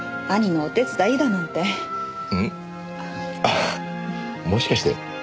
ああもしかして。